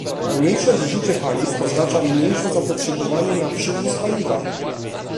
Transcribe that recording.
Mniejsze zużycie paliw oznacza mniejsze zapotrzebowanie na przywóz paliwa